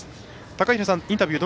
高平さん、インタビュー